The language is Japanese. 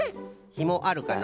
ひもあるかの？